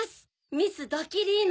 ミス・ドキリーヌ。